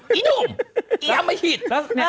อีหนูมเจ๊ยังไม่เห็น